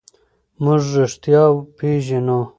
موږ رښتیا پېژنو.